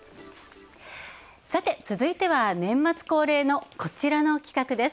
続いては、年末恒例のこちらの企画です。